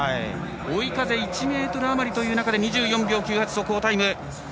追い風１メートルあまりという中で２４秒９８の速報タイム。